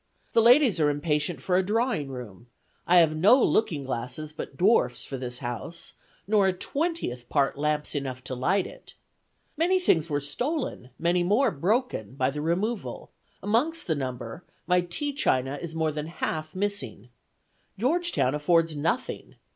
The ladies are impatient for a drawing room; I have no looking glasses but dwarfs for this house; nor a twentieth part lamps enough to light it. Many things were stolen, many more broken, by the removal; amongst the number, my tea china is more than half missing. Georgetown affords nothing.